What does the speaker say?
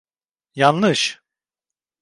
Yanlış!